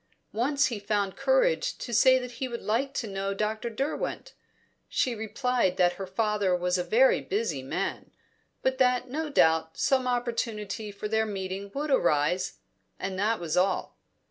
Once he found courage to say that he would like to know Dr. Derwent; she replied that her father was a very busy man, but that no doubt some opportunity for their meeting would arise and that was all.